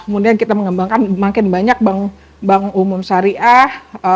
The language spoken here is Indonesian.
kemudian kita mengembangkan makin banyak bank bank umum syariah